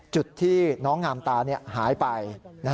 จุดที่น้องงามตาหายไป